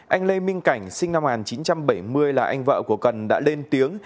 anh lê minh cảnh sinh năm một nghìn chín trăm bảy mươi là anh vợ của cần đã lên tiếng